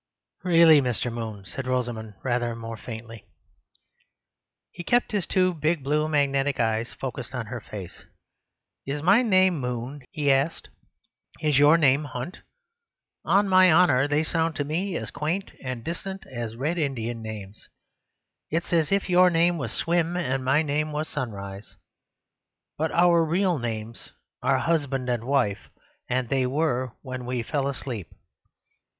"Really, Mr. Moon..." said Rosamund, rather more faintly. He kept two big blue magnetic eyes fixed on her face. "Is my name Moon?" he asked. "Is your name Hunt? On my honour, they sound to me as quaint and as distant as Red Indian names. It's as if your name was 'Swim' and my name was 'Sunrise.' But our real names are Husband and Wife, as they were when we fell asleep."